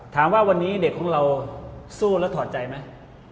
ถามว่าวันนี้เด็กของเราสู้แล้วถอดใจไหม